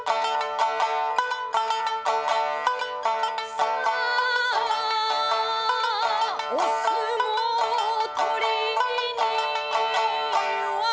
「サア」「お相撲取りには」